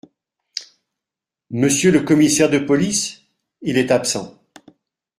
Monsieur le commissaire de police ? Il est absent.